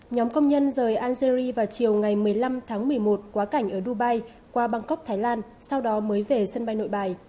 nhóm công nhân rời algeria vào chiều ngày một mươi năm tháng một mươi một quá cảnh ở dubai qua bangkok thái lan sau đó mới về sân bay nội bài